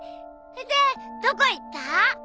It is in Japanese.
でどこ行った？